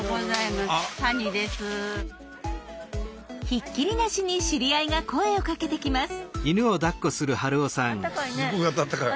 ひっきりなしに知り合いが声をかけてきます。